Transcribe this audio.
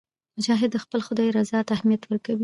مجاهد د خپل خدای رضا ته اهمیت ورکوي.